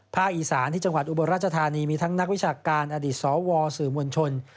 อีสานที่จังหวัดอุบลราชธานีมีทั้งนักวิชาการอดีตสวสื่อมวลชน